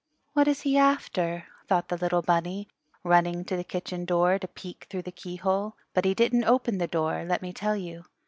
"What is he after?" thought the little bunny, running to the kitchen door to peek through the keyhole. But he didn't open the door, let me tell you.